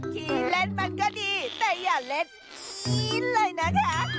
ที่เล่นมันก็ดีแต่อย่าเล่นซีนเลยนะคะ